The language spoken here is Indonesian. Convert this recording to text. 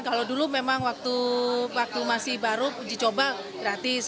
kalau dulu memang waktu masih baru dicoba gratis